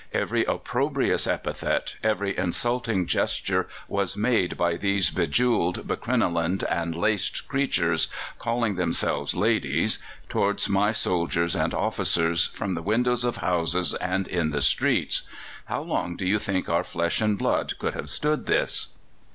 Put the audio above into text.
Every opprobrious epithet, every insulting gesture, was made by these bejewelled, becrinolined and laced creatures, calling themselves ladies, towards my soldiers and officers from the windows of houses and in the streets. How long do you think our flesh and blood could have stood this?..."